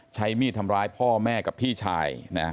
ใช้มีดทำร้ายพ่อแม่กับพี่ชาย